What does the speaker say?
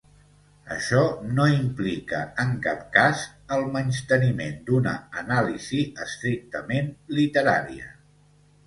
Això no implica en cap cas el menysteniment d'una anàlisi estrictament literària